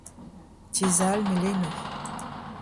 Tiez all melenoc'h.